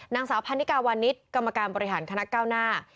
นางสาวพันธกาวรรณิชย์กรรมการบริหารคณะเก้าน่า